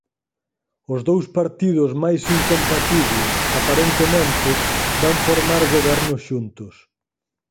Os dous partidos máis incompatibles, aparentemente, van formar goberno xuntos.